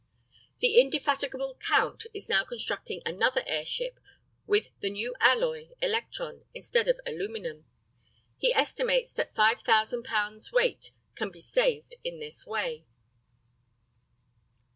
The indefatigable Count is now constructing another airship with the new alloy, electron, instead of aluminum. He estimates that 5,000 pounds' weight can be saved in this way.